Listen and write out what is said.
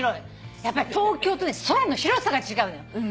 やっぱり東京とね空の広さが違うのよ。